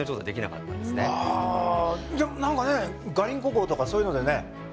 でも何かねガリンコ号とかそういうのでね。